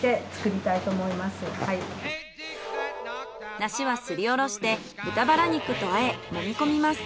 梨はすりおろして豚バラ肉と和えもみこみます。